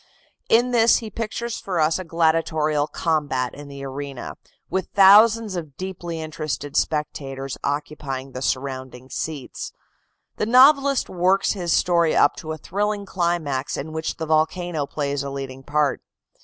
In this he pictures for us a gladiatorial combat in the arena, with thousands of deeply interested spectators occupying the surrounding seats. The novelist works his story up to a thrilling climax in which the volcano plays a leading part.